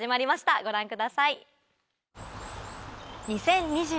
ご覧ください。